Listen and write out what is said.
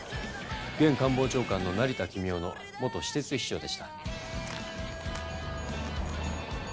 現官房長官の成田公雄の元私設秘書でした。